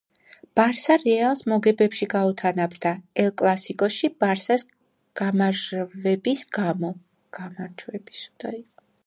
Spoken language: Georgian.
ბარსა რეალს მოგებებში გაუთანაბრდა ელ კლასიკოში ბარსას გამარჟვების გამო